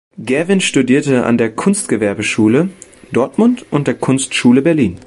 Gerwin studierte an der Kunstgewerbeschule Dortmund und der Kunstschule Berlin.